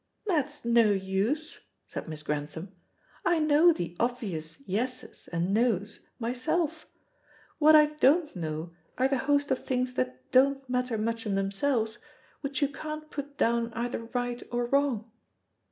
"That's no use," said Miss Grantham. "I know the obvious 'Yeses' and 'Noes' myself. What I don't know are the host of things that don't matter much in themselves, which you can't put down either right or wrong."